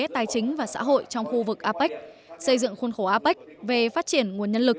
tài chính và xã hội trong khu vực apec xây dựng khuôn khổ apec về phát triển nguồn nhân lực